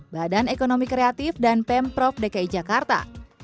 badan ekonomi kreatif dan pemprov dki jakarta